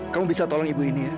kamu bisa tolong ibu ini ya